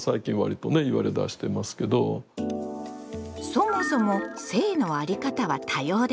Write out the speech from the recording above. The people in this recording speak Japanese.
そもそも「性のあり方」は多様です。